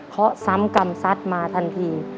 เพราะซ้ำกรรมซัดมาทันที